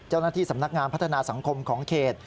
เจ้าหน้าที่สำนักงานพัฒนาสังคมของเขต